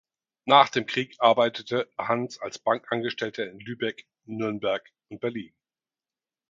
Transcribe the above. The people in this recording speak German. Nach dem Krieg arbeitete Hans als Bankangestellter in Lübeck, Nürnberg und Berlin.